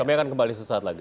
kami akan kembali sesaat lagi